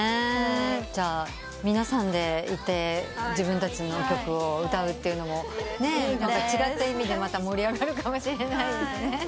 じゃあ皆さんで行って自分たちの曲を歌うっていうのも違った意味でまた盛り上がるかもしれないですね。